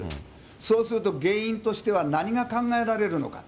そうすると原因としては何が考えられるのか。